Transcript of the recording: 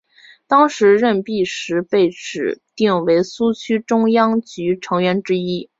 当时任弼时被指定为苏区中央局成员之一。